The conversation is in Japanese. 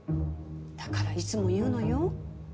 だからいつも言うのよ。